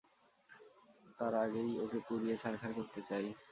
তার আগেই ওকে পুড়িয়ে ছাড়খাড় করতে চাই।